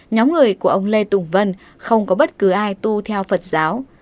nhóm người của ông lê tùng vân không có bất cứ ai tu theo phật giáo